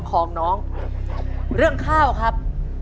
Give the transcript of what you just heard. สวัสดีครับ